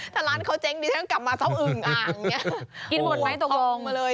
ถ้าร้านเขาเจ๊งดีฉันกลับมาเจ้าหึ่งอ่างงี้